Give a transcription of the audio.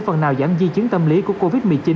phần nào giảm di chứng tâm lý của covid một mươi chín